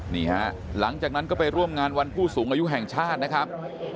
นี่ฮะหลังจากนั้นก็ไปร่วมงานวันผู้สูงอายุแห่งชาตินะครับ